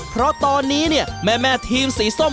เพราะตอนนี้แม่ทีมสีส้ม